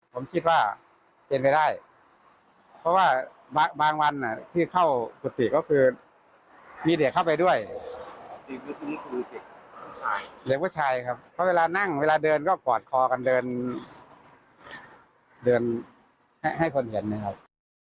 ผมคิดว่าเป็นไปได้เพราะว่าบางวันที่เข้ากุฏิก็คือมีเด็กเข้าไปด้วยเด็กผู้ชายครับเพราะเวลานั่งเวลาเดินก็กอดคอกันเดินให้คนเห็นนะครับ